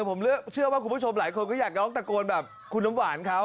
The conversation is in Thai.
ผมเชื่อว่าคุณผู้ชมหลายคนก็อยากร้องตะโกนแบบคุณน้ำหวานเขา